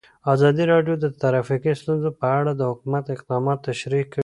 ازادي راډیو د ټرافیکي ستونزې په اړه د حکومت اقدامات تشریح کړي.